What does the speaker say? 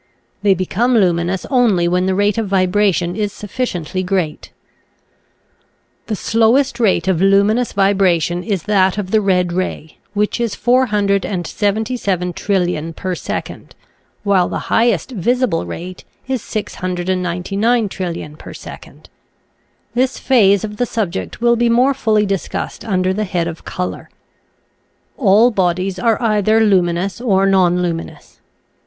They become luminous only when the rate of vibration is sufficiently great. The slowest rate of luminous vibration is that of the red ray, which is 477,000,000,000,000 per second, while the highest visible rate is 699,000,000,000,000 per second. This phase of the subject will be more fully discussed under the head of Color. All bodies are either luminous or nonlumin ous.